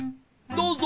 どうぞ。